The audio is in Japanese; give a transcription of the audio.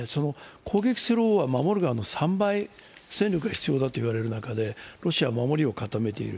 攻撃する方は守る側の３倍戦力が必要だといわれる中で、ロシアは守りを固めている。